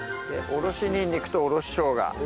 おろしにんにくおろししょうが。